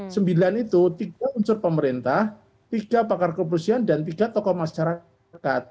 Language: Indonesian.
sembilan itu tiga unsur pemerintah tiga pakar kepolisian dan tiga tokoh masyarakat